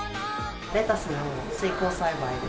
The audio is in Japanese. レタスを水耕栽培で。